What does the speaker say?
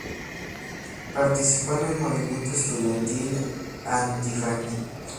Participó en el movimiento estudiantil antifranquista.